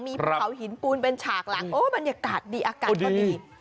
มีภูเขาหินปูนเป็นฉากหลังโอ้บรรยากาศดีอากาศก็ดี